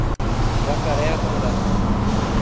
Jacareacanga